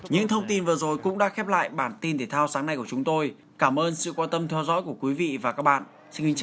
những thông tin vừa rồi cũng đã khép lại bản tin thể thao sáng nay của chúng tôi cảm ơn sự quan tâm theo dõi của quý vị và các bạn xin chào và hẹn gặp lại